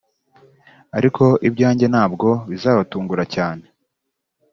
ariko ibyanjye ntabwo bizabatungura cyane